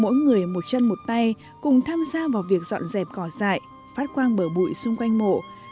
mỗi người một chân một tay cùng tham gia vào việc dọn dẹp cỏ dại phát quang bờ bụi xung quanh mộ quét dọn bụi bẩn xung quanh